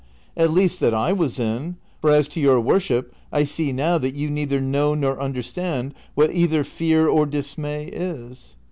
— at least that I was in ; for as to your worship I see now that you neither know nor understand what either fear or dismay is."